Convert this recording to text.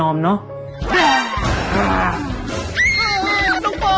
ก้าวเกอร์เซปล่อยชู้ตู้เจ้าของเรา